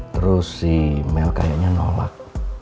terus si mel kayaknya nolak